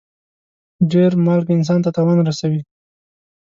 ډېر مالګه انسان ته تاوان رسوي.